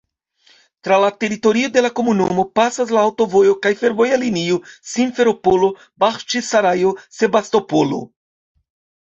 Tra la teritorio de la komunumo pasas la aŭtovojo kaj fervoja linio Simferopolo—Baĥĉisarajo—Sebastopolo.